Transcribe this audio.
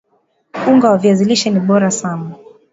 unga wa viazi lishe ni bora sana